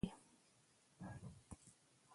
ژوند د رښتینولۍ او صداقت غوښتنه کوي.